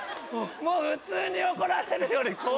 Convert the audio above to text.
もう普通に怒られるより怖いよ。